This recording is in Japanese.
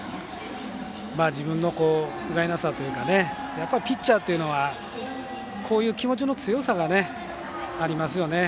自分のふがいなさというかピッチャーっていうのはこういう気持ちの強さがありますよね。